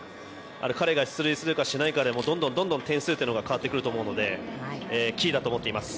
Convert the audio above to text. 彼が出塁するかしないかでどんどん点数が変わってくると思うのでキーだと思っています。